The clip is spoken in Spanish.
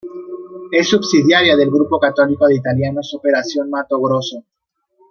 Es subsidiaria del grupo católico de italianos, "operación Matto Grosso"